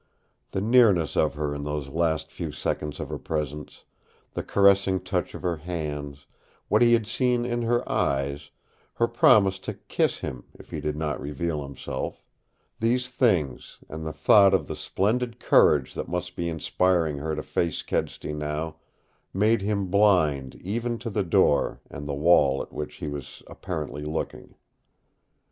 The nearness of her in those last few seconds of her presence, the caressing touch of her hands, what he had seen in her eyes, her promise to kiss him if he did not reveal himself these things, and the thought of the splendid courage that must be inspiring her to face Kedsty now, made him blind even to the door and the wall at which he was apparently looking.